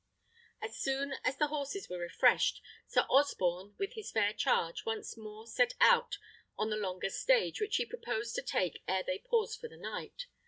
As soon as the horses were refreshed, Sir Osborne, with his fair charge, once more set out on the longer stage, which he proposed to take ere they paused for the night.